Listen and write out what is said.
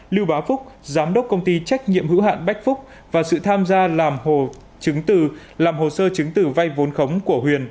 lưu bá phúc giám đốc công ty trách nhiệm hữu hạn bách phúc và sự tham gia làm hồ sơ chứng tử vay vốn khống của huyền